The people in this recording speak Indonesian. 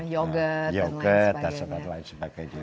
yogurt dan lain sebagainya